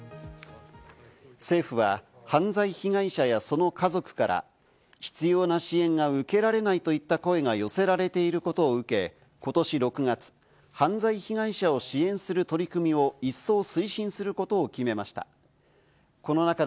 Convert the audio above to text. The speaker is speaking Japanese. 政府は犯罪被害者やその家族から必要な支援が受けられないといった声が寄せられていることを受け、ことし６月、犯罪被害者を支援する取り組みを一層推進することを決めました。